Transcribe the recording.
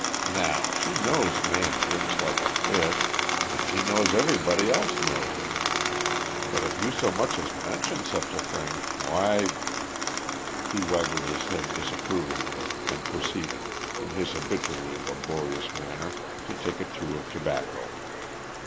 "Now, she knows Man drinks like a fish and she knows everybody else knows it but if you so much as mention sech a thing, why " He waggled his head disapprovingly and proceeded, in his habitually laborious manner, to take a chew of tobacco.